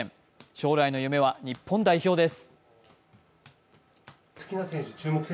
将来の夢は日本代表です。